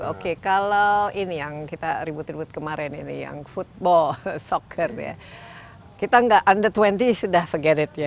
oke kalau ini yang kita ribut ribut kemarin ini yang football soccer ya kita nggak under dua puluh is sudah forget it ya